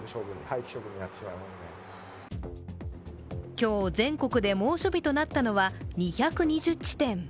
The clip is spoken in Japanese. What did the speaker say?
今日、全国で猛暑日となったのは２２０地点。